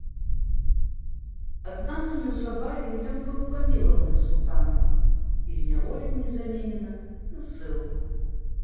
Аднак неўзабаве ён быў памілаваны султанам і зняволенне заменена на ссылку.